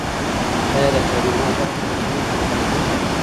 ایا د خیر محمد غږ په تلیفون کې رپېده؟